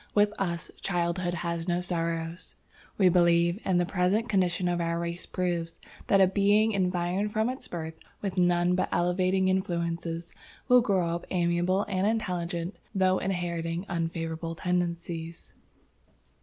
With us, childhood has no sorrows. We believe, and the present condition of our race proves, that a being environed from its birth with none but elevating influences, will grow up amiable and intelligent though inheriting unfavorable tendencies.